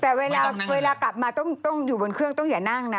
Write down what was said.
แต่เวลากลับมาต้องอยู่บนเครื่องต้องอย่านั่งนะ